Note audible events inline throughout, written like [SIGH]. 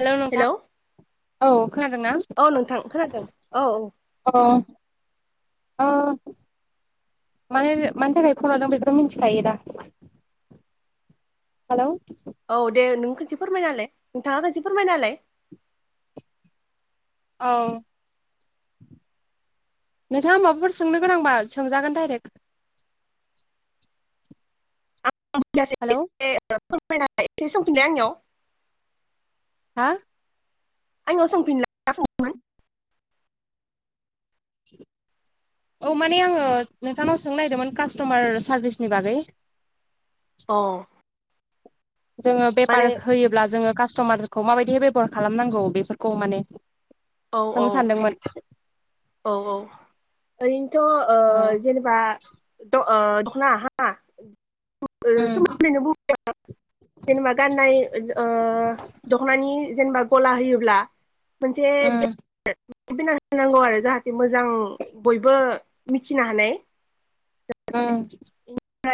Hello नोंथां [INAUDIBLE] औ खोनादोंना? औ नोंथां खोनादों औ औ [INAUDIBLE] अ ओ [UNINTELLIGIBLE] माने मानि थाखाय फन लादों बेखौ मिथिखायो दा? हालौ औ दे नों खोनसे फोरमायनालाय नोंथाङा खोनसे फोरमायनालाय। औ। नोंथाङा माबाफोर सोंनो गोनांबा सोंजागोन डाइरेक्ट? ए। [INAUDIBLE] [UNINTELLIGIBLE] हेलौ एसे सोंफिनाय आंनियाव हा? आंनाव सोंफिनला [UNINTELLIGIBLE] सोंदोंमोन? औ। माने आङो नोंथांनाव सोंनो नागिरदोंमोन कास्ट'मार सारभिसनि बागै अ जोङो माने बेफार होयोब्ला जोङो कास्ट'मारखौ माबायदि बेब'हार खालामनांगौ बेफोरखौ माने। औ औ सोंनो सानदोंमोन। औ औ ओरैनोथ' ओ औ जेनेबा द ओ दख'ना उम [UNINTELLIGIBLE] जेनेबा गाननाय ओ दखनानि जेनेबा गला होयोब्ला मोनसे उम [UNINTELLIGIBLE] होनांगौ आरो। जाहाथे मोजां बयबो मिथिनो हानाय। उम [UNINTELLIGIBLE]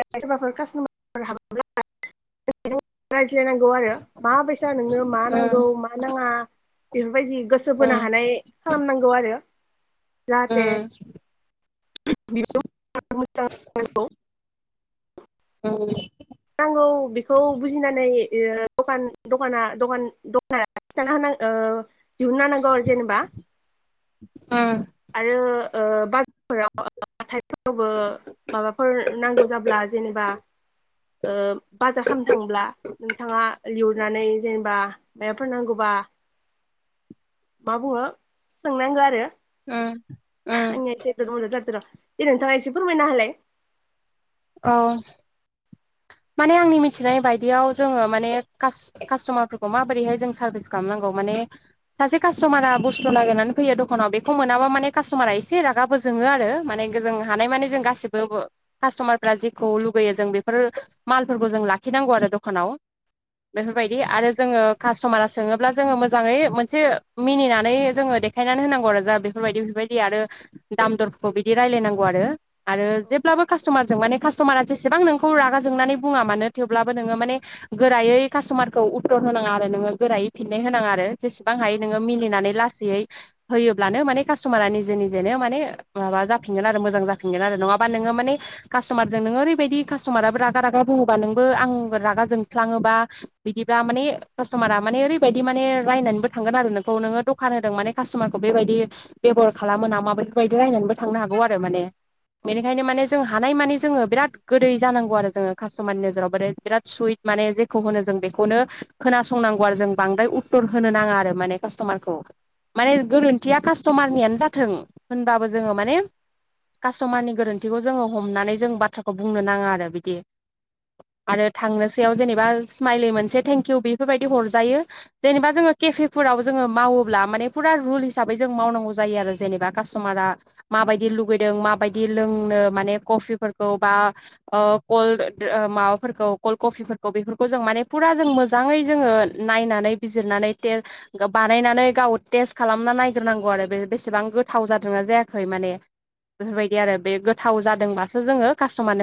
नांगौ आरो माबसा नोंनो मा उम नांगौ मा नाङा बेफोरबायदि गोसो उम बोनो हानाय खालामनांगौ आरो। [UNINTELLIGIBLE] औ। नांगौ बेखौ बुजिनानै ओ दखान दखाना दखान दखाना खिन्था होना ओ दिहुनना होनांगौ आरो जेनेबा। उम। आरो ओ बाजारफोराव [UNINTELLIGIBLE] रावबो माबाफोर नांगौ जाब्ला जेनेबा ओ बाजार खालामनो थांब्ला नोंथाङा [UNINTELLIGIBLE] नानै जेनेबा माफोर नांगौबा [INAUDIBLE] मा बुङो सोंनांगौ आरो। उम उम आंनि आ एसे [UNINTELLIGIBLE] जादों र दे नोंथांआ एसे फोरमायना होलाय। औ। माने आंनि मिथिनाय बायदियाव जोङो माने खास- कास्टमारफोरखौ माबोरैहाय जों सार्भिस खालामनांगौ माने ने सासे कास्टमारा बुस्थु नागिरनानै फैयो दखानाव बेखौ मोनाबा माने कास्टमारा एसे रागाबो जोङोआ रो माने जों हानाय मानि गसिबो कास्तमारफ्रा जेखौ लुगैयो जों बे फोर मालफोरखौ जों लाखिनांगौ आरो दखानाव। बेफोरबायदि आरो जोङो कास्टमारा सोङोब्ला जोङो मोजाङै मोनसे मिनिनानै जोङो। देखायनानै होनांगौ आरो जा बेफोरबायदि बेफोरबायदि आरो दाम दरफोरखौ बिदि रायलायनांगौ आरो आरो औ जेब ब्लाबो कास्टमार जों माने कास्टमारा जेसेबां नों खौ रागा जोंनानै बुङा मानो थेवब्लाबो नोङो माने गोरायै कास्टमारखौ उतर होनाङा आरो नोङो गोरायै। फिन्नाय होनाङा आरो जेसेबां हायो औ नोङो मिनिनानै लास गैयै होयोब्लानो माने कास्टमारा निजे निजेनो माने माबा जाफिनगोन आरो मोजां जाफिनगोन आरो नङा बा नोङो मानि कास्टमारजों नोङो ओैबायदि कास्टमाराबो रागा रागा बुङोबा नोंबो आं रागा जोंफ्लाङोबा बिदिबा माने कास्टमारा मा माने ओरैबायदि माने रायनानैबो थांगोनआरो नोंखौ नोङो दखान होदों माने कास्टमारखौ बेबायदि बेबहार खालामो नामा बैफोर बायदि रायनानैबो थांनो हागौ आरो माने बेनिखायनो माने जों हानाय मानिे जोङो बिराद गोदै जानांगौ आरो जोङो कास्टमारनि नोजोराव बोरै बिराद सुइट माने जेखौ होनो जों बेखौनो खोनासंना नांगौ आरो जों बांद्राय उतर होनो नाङा आरो माने कास्तमारखौ माने औ गोरोन्थिया कास्ट स्तमारनि आनो जाथों होनबाबो जोङो माने कास्टमारनि गोरोन्थिखौ जोङो हमनानै जों बाथ्राखौ बुंनो नाङा आरो बिदि। आरो थांनोसैयाव जेनेबा स्माइलि मोनसे थेंकिउ बेफोरबायदि हरजायो जेनेबा जोङो। केफे फोराव जोङो मावोब्ला माने फुरा रुल हिसाबै जों मावनांगौ जायो आरो जेनेबा कास्टमारा मा माबायदि लुगैदों माबायदि लोंनो माने कफिफोरखौ। बा ओ कलद ओ माबाफोरखौ कल किफोरखौ बेफोरखौ जों माने फुरा जों मोजाङै। जोङो नायनानै बिजिरनानै थे बानायनानै गाव टेस्ट खालामना नायग्रोनांगौ आरो बे बेसेबां गोथाव जादोंना जायाखै माने बेफोरबायदि आरो बे गोथाव जादोंबासो जोङो। कास्टमारनो